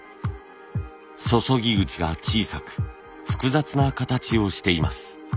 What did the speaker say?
注ぎ口が小さく複雑な形をしています。